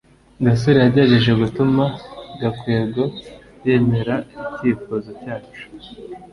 gasore yagerageje gutuma gakwego yemera icyifuzo cyacu